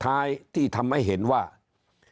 ตัวเลขการแพร่กระจายในต่างจังหวัดมีอัตราที่สูงขึ้น